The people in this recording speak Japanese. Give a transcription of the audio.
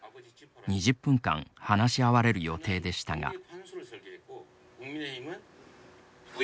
２０分間話し合われる予定でしたが。